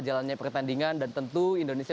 jalannya pertandingan dan tentu indonesia